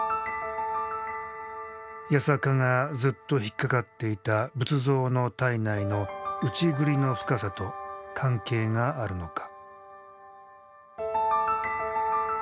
八坂がずっと引っかかっていた仏像の体内の内刳りの深さと関係があるのか。